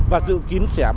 và dự kiến sẽ bảo vệ